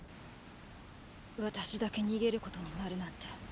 私だけ逃げることになるなんて。